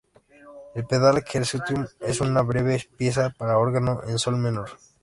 El "Pedal-Exercitium" es una breve pieza para órgano en sol menor.